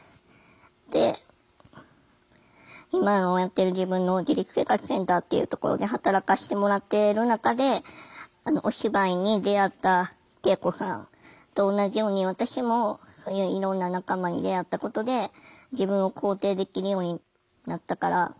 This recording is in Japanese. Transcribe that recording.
で今のやってる自分の自立生活センターっていうところで働かしてもらってる中でお芝居に出会った圭永子さんと同じように私もそういういろんな仲間に出会ったことで自分を肯定できるようになったから。